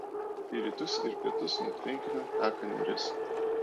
Į rytus ir pietus nuo tvenkinio teka Neris.